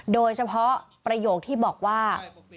โดยเฉพาะประโยคที่บอกว่า